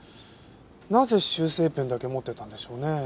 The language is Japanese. なぜ修正ペンだけ持ってたんでしょうね？